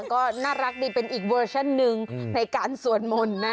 ก็น่ารักดีเป็นอีกเวอร์ชั่นหนึ่งในการสวดมนต์นะ